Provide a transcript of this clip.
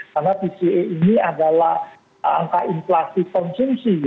karena pca ini adalah angka inflasi konsumsi